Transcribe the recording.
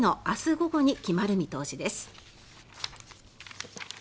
午後に決まる見通しです。